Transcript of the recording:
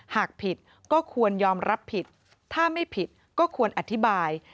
หากผิดก็ควรยอมรับผิดถ้าไม่ผิดก็ควรอธิบาย